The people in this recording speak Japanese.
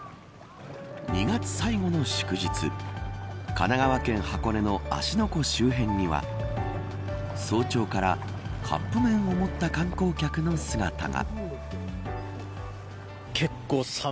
２月最後の祝日神奈川県箱根の芦ノ湖周辺には早朝からカップ麺を持った観光客の姿が。